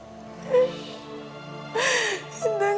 produk comunicasional sekarang